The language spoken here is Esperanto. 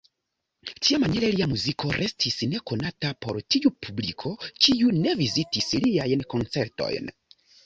Tiamaniere lia muziko restis nekonata por tiu publiko, kiu ne vizitis liajn koncertojn.